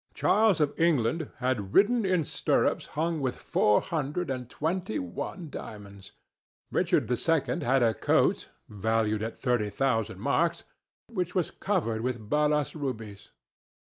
Charles of England had ridden in stirrups hung with four hundred and twenty one diamonds. Richard II had a coat, valued at thirty thousand marks, which was covered with balas rubies.